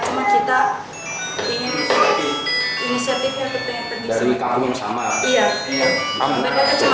cuma kita ingin inisiatif yang penting